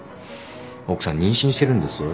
奥さん妊娠してるんですよ。